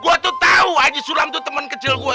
gua tuh tau haji sulam itu temen kecil gua